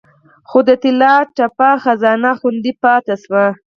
خو د طلا تپه خزانه خوندي پاتې شوه